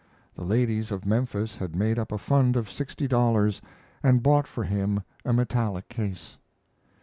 The ladies of Memphis had made up a fund of sixty dollars and bought for him a metallic case.